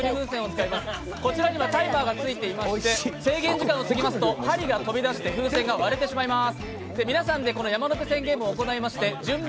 こちらにはタイマーがついていまして制限時間をすぎますと針が飛び出して風船が割れてしまいます。